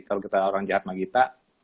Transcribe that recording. kalau kita orang jahat sama kita